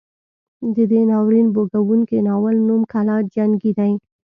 د دې ناورین بوږنوونکي ناول نوم کلا جنګي دی.